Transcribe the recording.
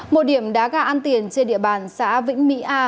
một điểm đá gà ăn tiền trên địa bàn xã vĩnh mỹ a